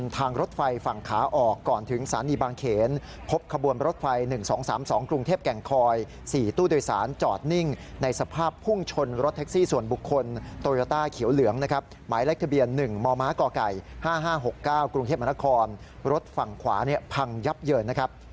ต่อไก่๕๕๖๙กรุงเทพฯมครรถฝั่งขวาพังยับเยินนะครับ